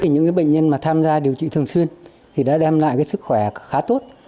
những bệnh nhân mà tham gia điều trị thường xuyên thì đã đem lại sức khỏe khá tốt